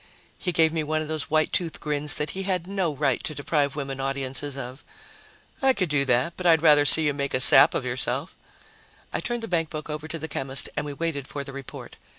He gave me one of those white tooth grins that he had no right to deprive women audiences of. "I could do that, but I'd rather see you make a sap of yourself." I turned the bankbook over to the chemist and we waited for the report.